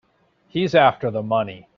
He's after the money.